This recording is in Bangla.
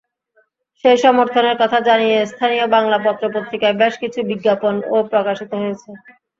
সেই সমর্থনের কথা জানিয়ে স্থানীয় বাংলা পত্রপত্রিকায় বেশ কিছু বিজ্ঞাপনও প্রকাশিত হয়েছে।